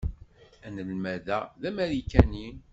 Anelmad-a d Amarikani.